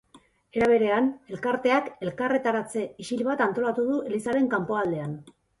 Era berean, elkarteak elkarretaratze isil bat antolatu du elizaren kanpoaldean.